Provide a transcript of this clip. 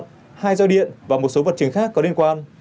hai dao điện và một số vật trường khác có liên quan